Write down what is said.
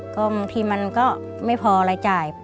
ก็บางทีมันก็ไม่พอรายจ่าย